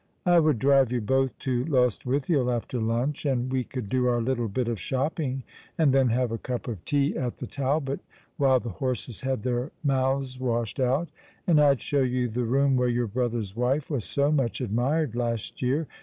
'' I would drive you both to Lostwithiel after lunch, and we could do our little bit of shopping and then have a cup of tea at the Talbot while the horses had their mouths washed out, and I'd show you the room where your brother's wife was so much admired last year.